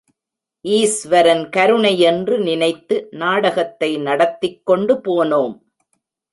ஈஸ்வரன் கருணையென்று நினைத்து நாடகத்தை நடத்திக் கொண்டு போனோம்.